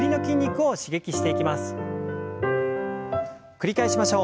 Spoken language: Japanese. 繰り返しましょう。